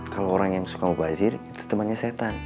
kalau orang yang suka bazir itu temannya setan